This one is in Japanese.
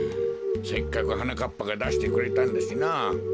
せっかくはなかっぱがだしてくれたんだしな。